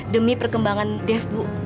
demi perkembangan dev bu